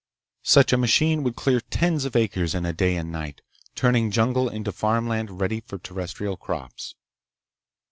Such a machine would clear tens of acres in a day and night, turning jungle into farmland ready for terrestrial crops.